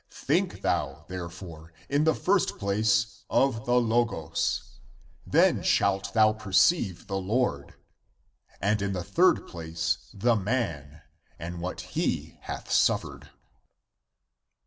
Think thou, therefore, in the first place of the Logos, then shalt thou perceive the Lord, and in the third place the man, and what he hath suffered.